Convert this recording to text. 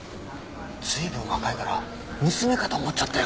随分若いから娘かと思っちゃったよ。